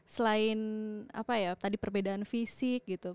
selain apa ya tadi perbedaan fisik gitu